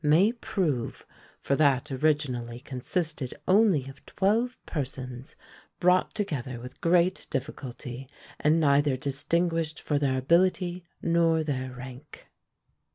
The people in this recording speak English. may prove; for that originally consisted only of twelve persons, brought together with great difficulty, and neither distinguished for their ability nor their rank.